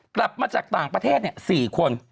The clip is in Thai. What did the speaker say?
กลับมาจากต่างประเทศ๔คน